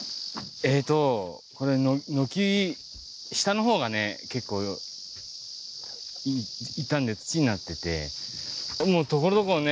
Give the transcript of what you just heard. えーとこれ軒下のほうがね結構傷んで土になっててもうところどころね